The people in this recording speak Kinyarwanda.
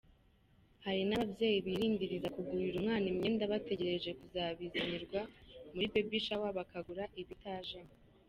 Hari n’ababyeyi birindiriza kugurira umwana imyenda, bategereje kuzabizanirwa muri ’baby shower ’, bakagura ibitajemo.